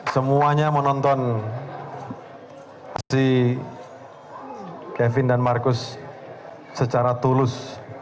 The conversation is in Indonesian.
semuanya menonton si kevin dan marcus secara tulus